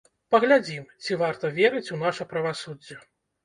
Паглядзім, ці варта верыць у наша правасуддзе.